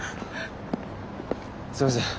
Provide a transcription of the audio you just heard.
すいません。